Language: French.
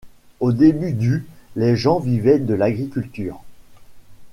Au début du les gens vivaient de l'agriculture.